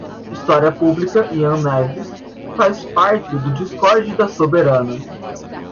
História Pública, Ian Neves, faz parte do discord da Soberana